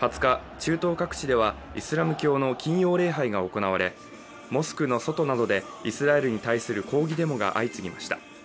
２０日、中東各地ではイスラム教の金曜礼拝が行われモスクの外などでイスラエルに対する抗議デモが相次ぎました。